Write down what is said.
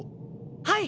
はい！